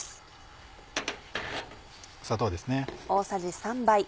砂糖ですね。